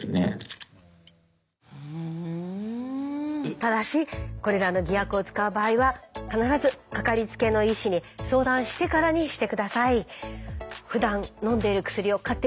ただしこれらの偽薬を使う場合は必ず掛かりつけの医師に相談してからにして下さい。